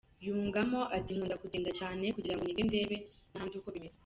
Yungamo ati “Nkunda kugenda cyane kugirango nige ndebe n’ahandi uko bimeze.